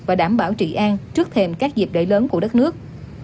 và đảm bảo trị an trước thêm các dịp lễ lớn của đất nước